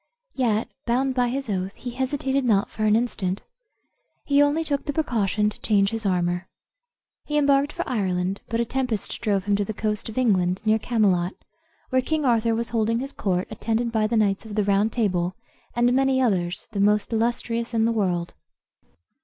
Yet, bound by his oath, he hesitated not for an instant. He only took the precaution to change his armor. He embarked for Ireland; but a tempest drove him to the coast of England, near Camelot, where King Arthur was holding his court, attended by the knights of the Round Table, and many others, the most illustrious in the world.